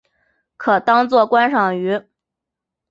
可当作观赏鱼。